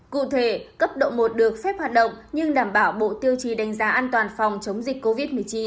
cụ thể cấp độ một được phép hoạt động nhưng đảm bảo bộ tiêu chí đánh giá an toàn phòng chống dịch covid một mươi chín